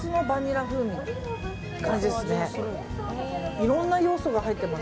いろんな要素が入ってます